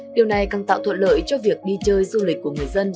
điều này càng tạo thuận lợi cho việc đi chơi du lịch của người dân